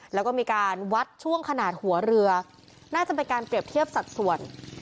แล้วก็มีการวัดช่วงขนาดหัวเรือน่าจะเป็นการเปรียบเทียบสัดส่วน